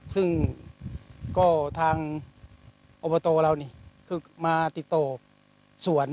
ซึ่งก็ทางอบโตเรานี้ขึ้นมาติดต่อสวรรภ์